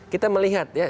kita melihat ya